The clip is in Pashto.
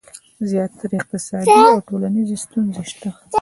زیاتې اقتصادي او ټولنیزې ستونزې شته